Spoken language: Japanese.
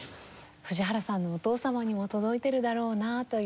藤原さんのお父様にも届いてるだろうなという。